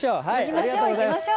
ありがとうございます。